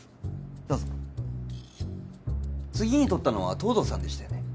どうぞ次に取ったのは藤堂さんでしたね